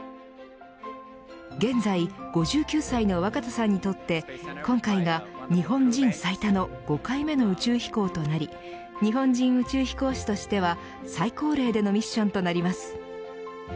現在５９歳の若田さんにとって今回が日本人最多の５回目の宇宙飛行となり日本人宇宙飛行士としては最高齢でのミッションとなります。